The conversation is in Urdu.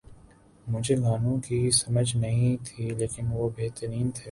مجھے گانوں کی سمجھ نہیں تھی لیکن وہ بہترین تھے